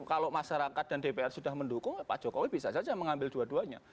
kalau masyarakat dan dpr sudah mendukung pak jokowi bisa saja mengambil dua duanya